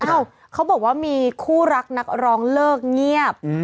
เขาบอกว่ามีคู่รักนักร้องเลิกเงียบ